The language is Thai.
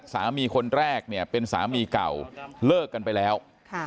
สามีคนแรกเป็นสามีเก่าเลิกกันไปแล้ว